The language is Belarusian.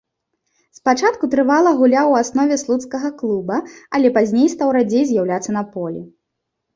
Спачатку трывала гуляў у аснове слуцкага клуба, але пазней стаў радзей з'яўляцца на полі.